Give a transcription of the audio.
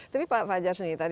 tapi pak fajar sendiri